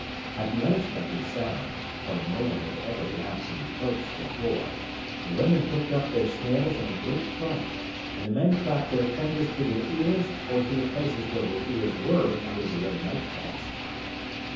At the unexpected sound (for no one had ever laughed in Pokes before), the women picked up their snails in a great fright, and the men clapped their fingers to their ears or to the places where their ears were under the red nightcaps.